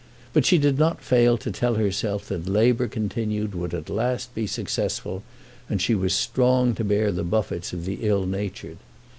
But she did not fail to tell herself that labour continued would at last be successful, and she was strong to bear the buffets of the ill natured.